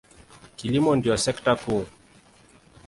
Kilimo ndiyo sekta kuu.